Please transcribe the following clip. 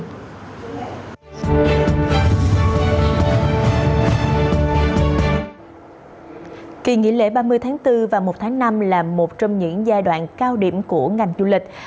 kỳ nghỉ lễ ba mươi tháng bốn và một tháng năm là một trong những giai đoạn cao điểm của ngành du lịch